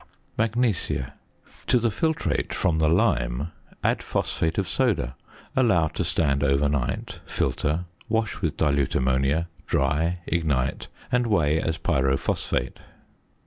~Magnesia.~ To the filtrate from the lime add phosphate of soda. Allow to stand overnight, filter, wash with dilute ammonia, dry, ignite, and weigh as pyrophosphate.